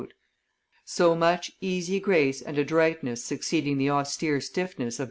So much easy grace and adroitness succeeding the austere stiffness of M.